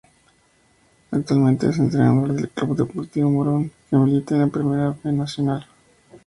Actualmente es entrenador del Club Deportivo Morón, que milita en la Primera B Nacional.